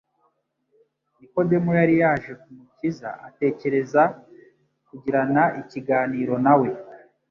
Nikodemo yari yaje ku Mukiza atekereza kugirana ikiganiro na we,